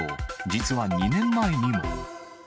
実は２年前にも。